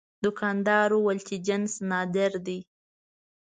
دوکاندار وویل چې جنس نادر دی.